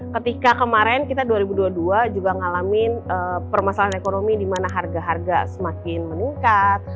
ketika kemarin kita dua ribu dua puluh dua juga ngalamin permasalahan ekonomi di mana harga harga semakin meningkat